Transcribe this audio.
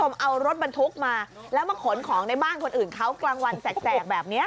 เอารถบรรทุกมาแล้วมาขนของในบ้านคนอื่นเขากลางวันแสกแบบนี้